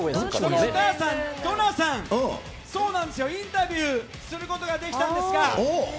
お母さん、ドンナさん、そうなんですよ、インタビューすることができたんですが。